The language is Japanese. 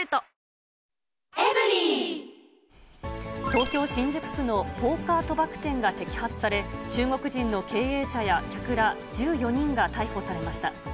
東京・新宿区のポーカー賭博店が摘発され、中国人の経営者や客ら１４人が逮捕されました。